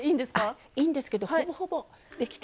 あいいんですけどほぼほぼできて。